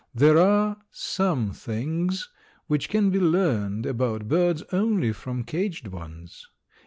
There are some things which can be learned about birds only from caged ones.